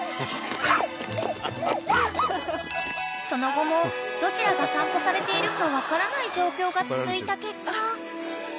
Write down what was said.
［その後もどちらが散歩されているか分からない状況が続いた結果］